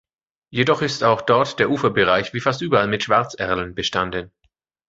Jedoch ist auch dort der Uferbereich wie fast überall mit Schwarzerlen bestanden.